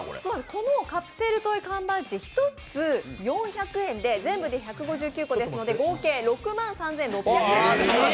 このカプセルトイ缶バッジ１つ４００円ですので全部で１５９個ですので、合計６万３６００円。